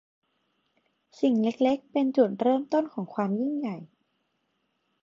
สิ่งเล็ก ๆ เป็นจุดเริ่มต้นของความยิ่งใหญ่